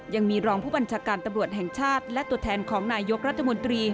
ยังมีรองผู้บัญชาการตำรวจแห่งชาติและตัวแทนของนายยกรัฐมนตรี